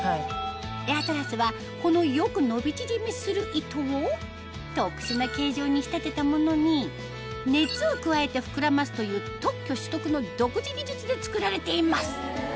エアトラスはこのよく伸び縮みする糸を特殊な形状に仕立てたものに熱を加えて膨らますという特許取得の独自技術で作られています